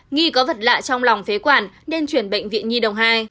nghi có vật lạ trong lòng phế quản nên chuyển bệnh viện nhi đồng hai